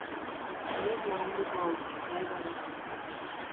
Neuk lagunduko haut, nahi badun.